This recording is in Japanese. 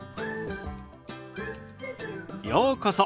ようこそ。